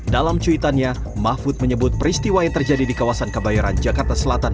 dalam cuitannya mahfud menyebut peristiwa yang terjadi di kawasan kebayoran jakarta selatan